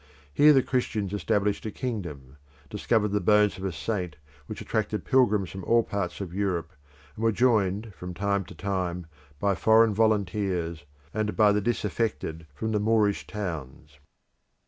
Here the Christians established a kingdom, discovered the bones of a saint which attracted pilgrims from all parts of Europe, and were joined from time to time by foreign volunteers, and by the disaffected from the Moorish towns.